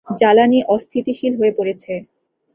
জ্বালানী অস্থিতিশীল হয়ে পড়েছে।